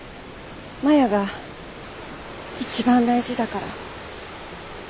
マヤが一番大事だから。